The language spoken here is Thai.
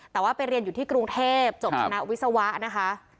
แต่ว่าไปเรียนอยู่ที่กรุงเทพจบคณะวิศวะนะคะ